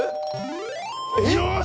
よし！